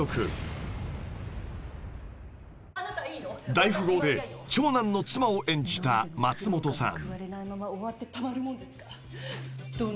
［大富豪で長男の妻を演じた松本さん］